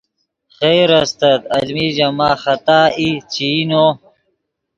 خیر استت المی ژے ماخ خطا ای چے ای نو